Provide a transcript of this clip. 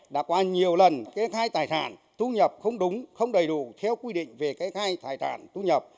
đã qua nhiều lần kê khai tài sản thu nhập không đúng không đầy đủ theo quy định về kê khai tài sản thu nhập